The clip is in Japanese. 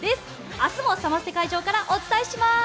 明日もサマステ会場からお伝えします！